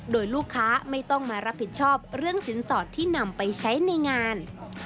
โดยลูกค้าไม่ต้องมารับผิดชอบเรื่องสินสอดที่นำไปใช้ในงาน